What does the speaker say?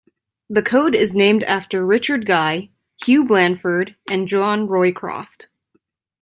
The code is named after Richard Guy, Hugh Blandford and John Roycroft.